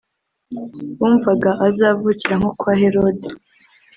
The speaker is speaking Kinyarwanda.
bumvaga azavukira nko kwa Herode